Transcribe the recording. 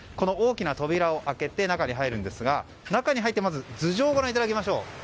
大きな扉を開けて中に入るんですがまず頭上、ご覧いただきましょう。